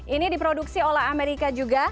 ini diproduksi oleh amerika juga